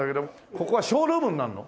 ここはショールームになるの？